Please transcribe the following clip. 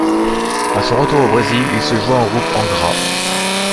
À son retour au Brésil, il se joint au groupe Angra.